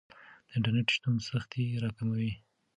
د انټرنیټ شتون سختۍ راکموي.